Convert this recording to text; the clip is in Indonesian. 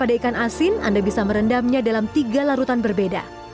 anda bisa merendamnya dalam tiga larutan berbeda